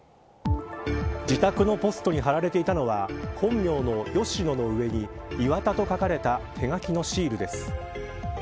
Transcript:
自宅のポストに貼られていたのは本名の吉野の上にイワタと書かれた手書きのシールです。